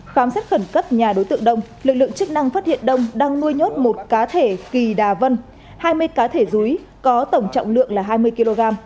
khám xét khẩn cấp nhà đối tượng đông lực lượng chức năng phát hiện đông đang nuôi nhốt một cá thể kỳ đà vân hai mươi cá thể rúi có tổng trọng lượng là hai mươi kg